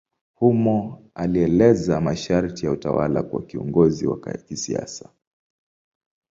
Humo alieleza masharti ya utawala kwa kiongozi wa kisiasa.